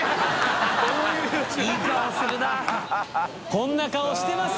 こんな顔してます？